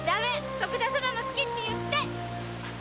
徳田様も「好き」って言って！